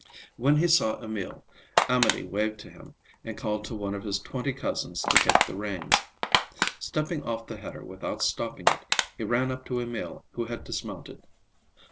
When he saw Emil, Amédée waved to him and called to one of his twenty cousins to take the reins. Stepping off the header without stopping it, he ran up to Emil who had dismounted.